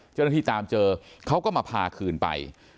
เจ้าหน้าที่ตามเจอเขาก็มาพาคืนไป